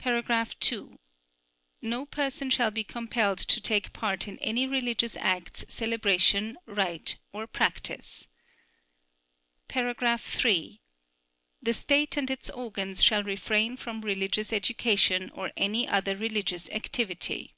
(2) No person shall be compelled to take part in any religious acts, celebration, rite or practice. (3) The state and its organs shall refrain from religious education or any other religious activity.